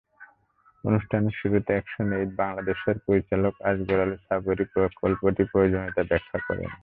অনুষ্ঠানের শুরুতে একশনএইড বাংলাদেশের পরিচালক আসগর আলী সাবরী প্রকল্পটির প্রয়োজনীয়তা ব্যাখ্যা করেন।